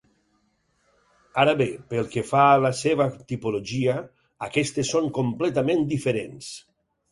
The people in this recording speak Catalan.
Ara bé pel que fa a la seva tipologia, aquestes són completament diferents.